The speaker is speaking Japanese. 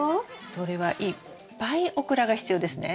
それはいっぱいオクラが必要ですね。